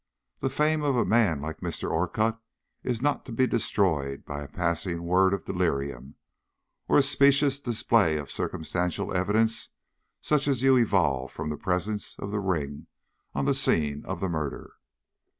The fame of a man like Mr. Orcutt is not to be destroyed by a passing word of delirium, or a specious display of circumstantial evidence such as you evolve from the presence of the ring on the scene of murder."